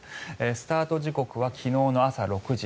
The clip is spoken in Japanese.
スタート時刻は昨日の朝６時。